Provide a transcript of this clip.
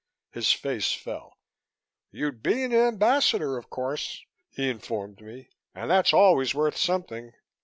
His face fell. "You'd be an Ambassador, of course," he informed me, "and that's always worth something.